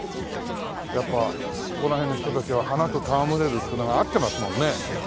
やっぱここら辺の人たちは花と戯れるってのが合ってますもんね。